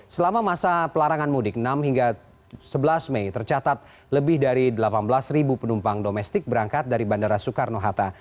selama masa pelarangan mudik enam hingga sebelas mei tercatat lebih dari delapan belas penumpang domestik berangkat dari bandara soekarno hatta